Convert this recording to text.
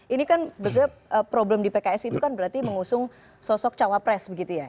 ini kan problem di pks itu kan berarti mengusung sosok cawapres begitu ya